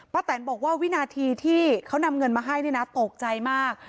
แตนบอกว่าวินาทีที่เขานำเงินมาให้เนี่ยนะตกใจมาก